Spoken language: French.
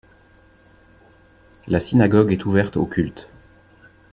La synagogue est ouverte au culte.